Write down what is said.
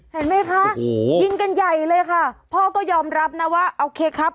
เห็นไหมคะยิงกันใหญ่เลยค่ะพ่อก็ยอมรับนะว่าโอเคครับ